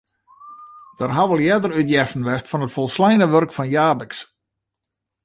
Der hawwe al earder útjeften west fan it folsleine wurk fan Japicx.